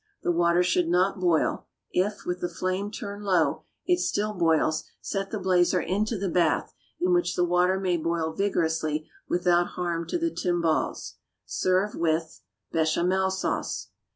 The water should not boil; if, with the flame turned low, it still boils, set the blazer into the bath, in which the water may boil vigorously without harm to the timbales. Serve with =BECHAMEL SAUCE.